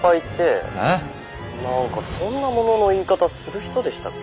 なんかそんなものの言い方する人でしたっけ？